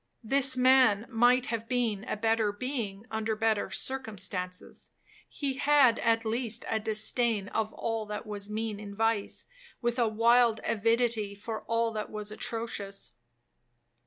'This man might have been a better being under better circumstances; he had at least a disdain of all that was mean in vice, with a wild avidity for all that was atrocious.